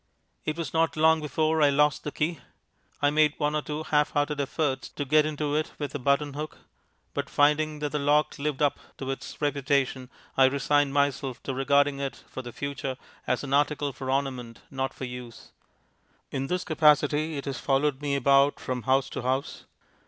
It was not long before I lost the key. I made one or two half hearted efforts to get into it with a button hook; but, finding that the lock lived up to its reputation, I resigned myself to regarding it for the future as an article for ornament, not for use. In this capacity it has followed me about from house to house.